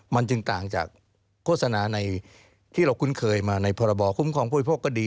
มันจึงต่างจากโฆษณาในที่เราคุ้นเคยมาในพรบคุ้มครองผู้บริโภคก็ดี